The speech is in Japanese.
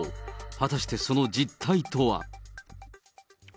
果たしてその実態とは。